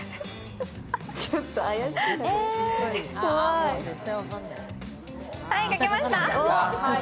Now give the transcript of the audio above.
ちょっと怪しいな、怖い。